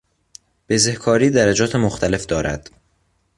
بزهکاری درجات مختلف دارد.